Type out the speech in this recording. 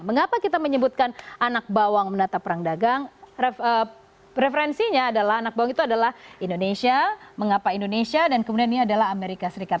mengapa kita menyebutkan anak bawang menata perang dagang referensinya adalah anak bawang itu adalah indonesia mengapa indonesia dan kemudian ini adalah amerika serikat